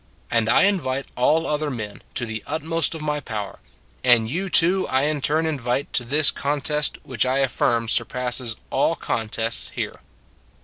And I invite all other men, to the utmost of my power; and you too I in turn invite to this contest, which I affirm surpasses all contests here.